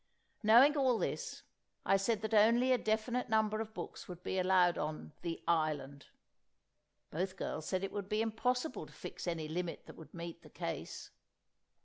Knowing all this, I said that only a definite number of books would be allowed on The Island. Both girls said it would be impossible to fix any limit that would meet the case.